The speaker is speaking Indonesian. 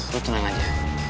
lo tenang aja